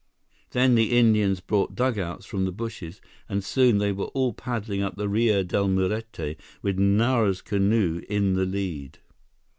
Then the Indians brought dugouts from the bushes, and soon they were all paddling up the Rio Del Muerte, with Nara's canoe in the lead.